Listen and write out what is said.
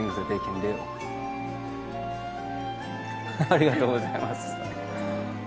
ありがとうございます。